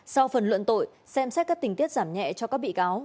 sau phần luận tội xem xét các tình tiết giảm nhẹ cho các bị cáo